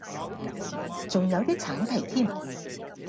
仲有啲橙皮添